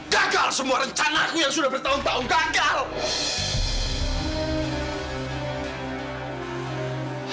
gagal semua rencana aku yang sudah bertahun tahun gagal